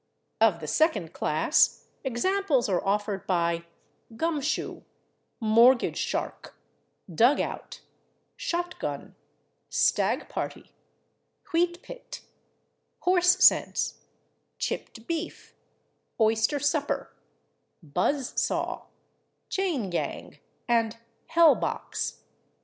Of the second class, examples are offered by /gum shoe/, /mortgage shark/, /dug out/, /shot gun/, /stag party/, /wheat pit/, /horse sense/, /chipped beef/, /oyster supper/, /buzz saw/, /chain gang/ and /hell box